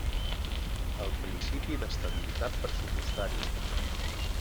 El principi d'estabilitat pressupostaria.